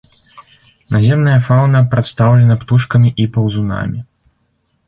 Наземная фаўна прадстаўлена птушкамі і паўзунамі.